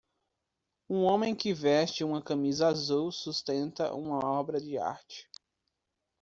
Um homem que veste uma camisa azul sustenta uma obra de arte.